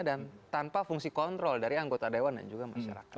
dan tanpa fungsi kontrol dari anggota dewan dan juga masyarakat